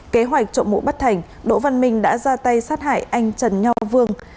kế hoạch trộm mũ bắt thành đỗ văn minh đã ra tay sát hại anh trần nho vương